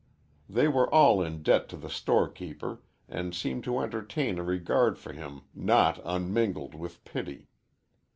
They were all in debt to the storekeeper and seemed to entertain a regard for him not unmingled with pity.